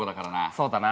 そうだな。